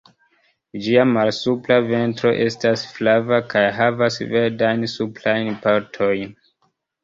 Ĝia malsupra ventro estas flava kaj havas verdajn suprajn partojn.